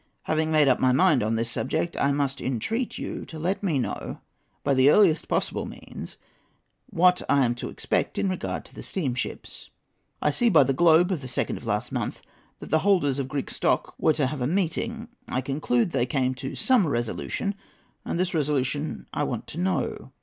Having made up my mind on this subject, I must entreat you to let me know by the earliest possible means what I am to expect in regard to the steamships. I see by the 'Globe' of the 2nd of last month that the holders of Greek stock were to have a meeting. I conclude they came to some resolution, and this resolution I want to know.